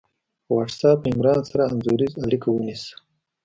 په وټس آپ عمران سره انځوریزه اړیکه ونیسه